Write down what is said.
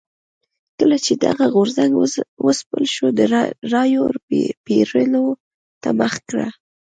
کله چې دغه غورځنګ وځپل شو د رایو پېرلو ته مخه کړه.